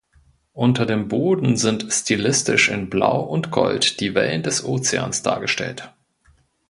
Unter dem Boden sind stilistisch in Blau und Gold die Wellen des Ozeans dargestellt.